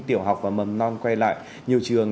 tiểu học và mầm non quay lại nhiều trường